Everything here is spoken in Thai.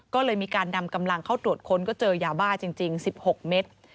ก็เลยมีการนำกำลังเข้าตรวจค้นก็เจอยาบ้าจริง๑๖เมตร